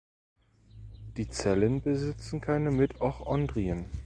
Die Zellen besitzen keine Mitochondrien.